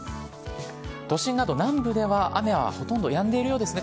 都心など南部では、雨はほとんどやんでいるようですね。